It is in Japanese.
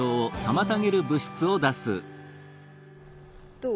どう？